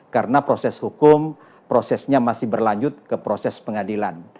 karena proses hukum prosesnya masih berlanjut ke proses pengadilan